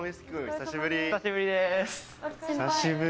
久しぶり。